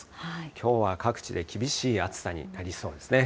きょうは各地で厳しい暑さになりそうですね。